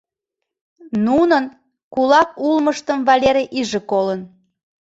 Нунын кулак улмыштым Валерий иже колын.